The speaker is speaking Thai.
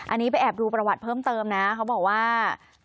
อันนี้ไปแอบดูประวัติเพิ่มเติมนะเขาบอกว่า